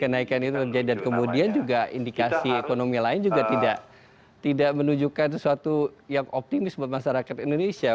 kenaikan itu terjadi dan kemudian juga indikasi ekonomi lain juga tidak menunjukkan sesuatu yang optimis buat masyarakat indonesia